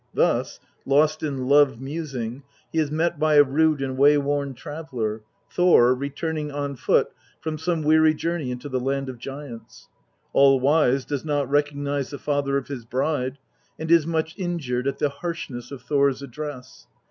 Thus, lost in love musing, he is met by a rude and way worn traveller Thor returning on foot from some weary journey into the land of giants. All wise does not recognise the father of his bride, and is much injured at the harshness of Thor's address.